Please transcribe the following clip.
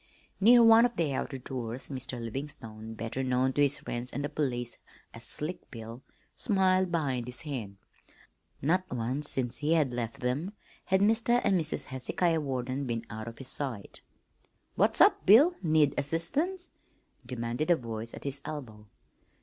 Near one of the outer doors Mr. Livingstone better known to his friends and the police as "Slick Bill" smiled behind his hand. Not once since he had left them had Mr. and Mrs. Hezekiah Warden been out of his sight. "What's up, Bill? Need assistance?" demanded a voice at his elbow.